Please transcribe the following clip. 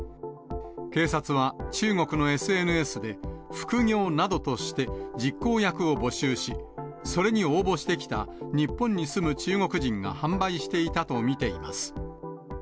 警察は、中国のＳＮＳで副業などとして実行役を募集し、それに応募してきた、日本に住む中国人が販売していたと見ています。